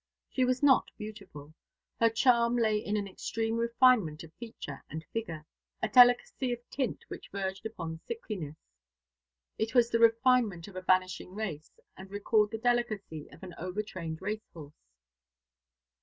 She was not beautiful. Her charm lay in an extreme refinement of feature and figure, a delicacy of tint which verged upon sickliness. It was the refinement of a vanishing race, and recalled the delicacy of an over trained racehorse.